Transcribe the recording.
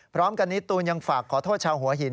พร้อมกันนี้ตูนยังฝากขอโทษชาวหัวหิน